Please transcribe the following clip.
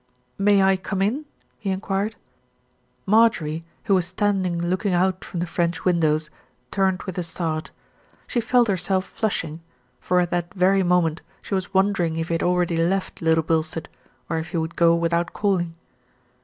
"May I come in?" he enquired. Marjorie, who was standing looking out from the French windows, turned with a start. She felt herself flushing; for at that very moment she was wondering if he had already left Little Bilstead, or if he would go without calling.